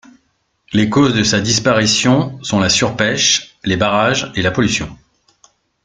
Les causes de sa disparition sont la surpêche, les barrages et la pollution.